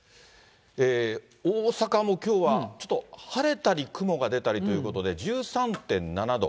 大阪もきょうはちょっと晴れたり雲が出たりということで、１３．７度。